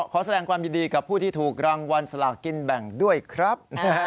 ขอแสดงความยินดีกับผู้ที่ถูกรางวัลสลากินแบ่งด้วยครับ